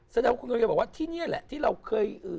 แสดงว่าที่นี่แหละที่เราเคย